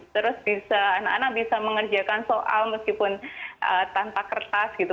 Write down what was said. terus bisa anak anak bisa mengerjakan soal meskipun tanpa kertas gitu